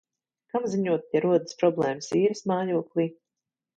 Kam ziņot, ja rodas problēmas īres mājoklī?